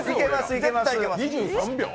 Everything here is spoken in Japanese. ２３秒？